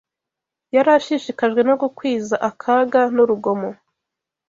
yari ashishikajwe no gukwiza akaga n’urugomo